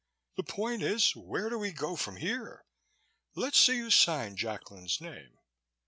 The point is, where do we go from here? Let's see you sign Jacklin's name."